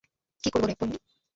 কী করবো রে, পোন্নি?